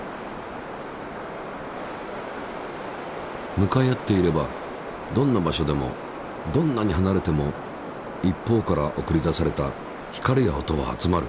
向かい合っていればどんな場所でもどんなに離れても一方から送り出された光や音は集まる。